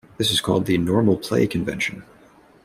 This is called the "normal play" convention.